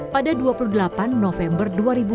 pada dua puluh delapan november dua ribu dua puluh